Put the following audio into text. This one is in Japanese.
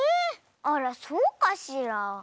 あらそうかしら。